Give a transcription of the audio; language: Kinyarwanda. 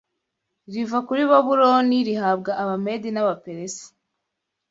riva kuri Babuloni rihabwa Abamedi n’Abaperesi